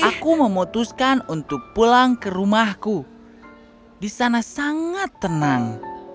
aku memutuskan untuk pulang ke rumahku di sana sangat tenang